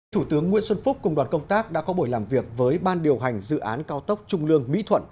thủ tướng nguyễn xuân phúc cùng đoàn công tác đã có buổi làm việc với ban điều hành dự án cao tốc trung lương mỹ thuận